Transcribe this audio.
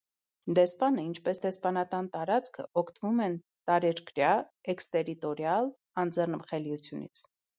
Դեսպանը, ինչպես դեսպանատան տարածքը, օգտվում են տարերկրյա (էքստերիտորիալ) անձեռնմխելիությունից։